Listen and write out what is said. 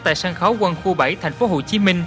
tại sân khấu quân khu bảy tp hcm